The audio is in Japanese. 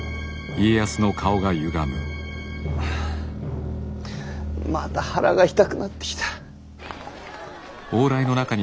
あまた腹が痛くなってきた。